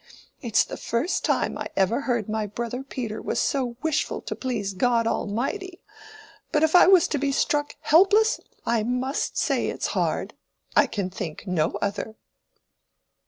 It's the first time I ever heard my brother Peter was so wishful to please God Almighty; but if I was to be struck helpless I must say it's hard—I can think no other."